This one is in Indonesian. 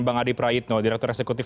bang adi praitno direktur eksekutif